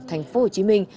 thành phố hồ chí minh